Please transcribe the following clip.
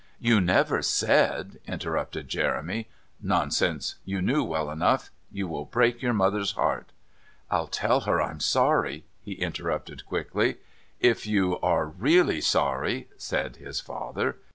"You never said " interrupted Jeremy. "Nonsense! You knew well enough. You will break your mother's heart." "I'll tell her I'm sorry," he interrupted quickly. "If you are really sorry " said his father.